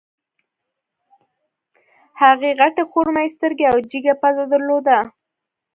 هغې غټې خرمايي سترګې او جګه پزه درلوده